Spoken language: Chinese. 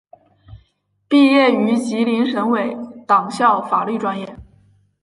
毕业于吉林省委党校法律专业。